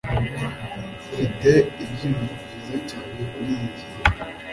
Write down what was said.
mfite ibyiyumvo byiza cyane kuriyi ngingo